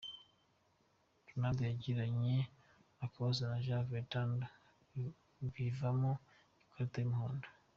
Ronaldo yagiranye akabazo na Jan Vertonghen bivamo ikarita y'umuhondo.